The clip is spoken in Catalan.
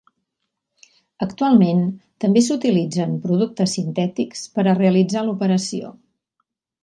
Actualment, també s'utilitzen productes sintètics per a realitzar l'operació.